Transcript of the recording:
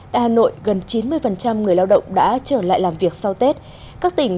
tại hà nội gần chín mươi người lao động đã trở lại làm việc sau tết